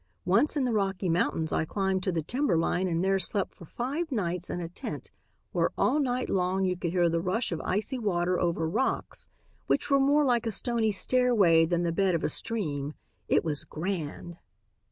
Once in the Rocky Mountains I climbed to the timber line and there slept for five nights in a tent where all night long you could hear the rush of icy water over rocks which were more like a stony stairway than the bed of a stream. It was grand.